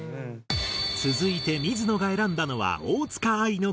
続いて水野が選んだのは大塚愛の隠れた名曲。